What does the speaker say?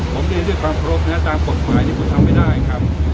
ผมเตรียมเรียกบารพรบตามกฎหมายก็ทำไปได้ครับ